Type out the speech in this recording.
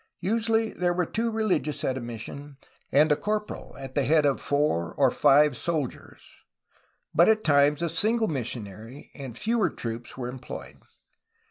Usually there were two religious at a mission and a corporal at the head of four or five soldiers, but at times a single missionary and fewer troops were em ployed.